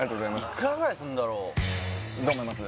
いくらぐらいするんだろうどう思います？